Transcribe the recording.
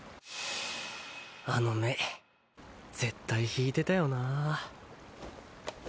あの目絶対ひいてたよなぁ。